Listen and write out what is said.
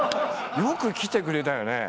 よく来てくれたよね。